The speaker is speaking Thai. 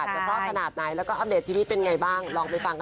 เฉพาะขนาดไหนแล้วก็อัปเดตชีวิตเป็นอย่างไรบ้าง